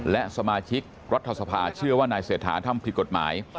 และสมาชิกรัฐสภาเชื่อว่านายเศรษฐาทำผิดกฎหมาย